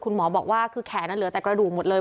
คุณหมอบอกว่าคือแขนเหลือแต่กระดูกหมดเลย